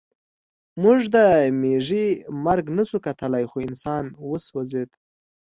موږ د مېږي مرګ نشو کتلی خو انسان وسوځېد